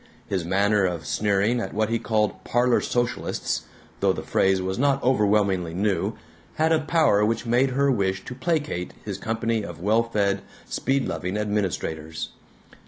His manner of sneering at what he called "parlor socialists" (though the phrase was not overwhelmingly new) had a power which made her wish to placate his company of well fed, speed loving administrators.